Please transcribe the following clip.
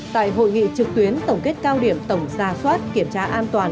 tại hội nghị trực tuyến tổng kết cao điểm tổng xa xoát kiểm tra an toàn